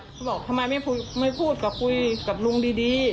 เขาบอกทำไมไม่พูดกับลุงดี